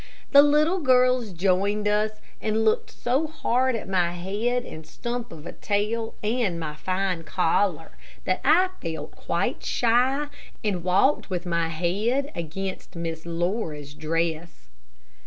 The little girls joined us and looked so hard at my head and stump of a tail, and my fine collar, that I felt quite shy, and walked with my head against Miss Laura's dress.